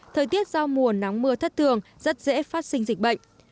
thời tiết do mùa nắng mưa thất thường rất dễ phát sinh dịch bệnh